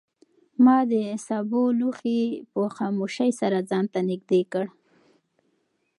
ما د سابو لوښی په خاموشۍ سره ځان ته نږدې کړ.